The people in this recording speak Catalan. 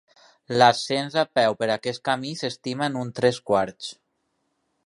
L'ascens a peu per aquest camí s'estima en uns tres quarts.